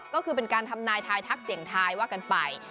ก็คือเป็นการทำนายทายทักเสียงทายว่ากันไป